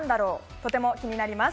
とても気になります。